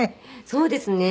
そうですね。